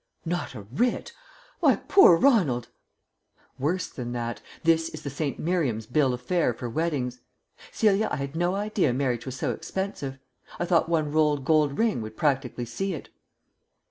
"Not a writ? My poor Ronald!" "Worse than that. This is the St. Miriam's bill of fare for weddings. Celia, I had no idea marriage was so expensive. I thought one rolled gold ring would practically see it."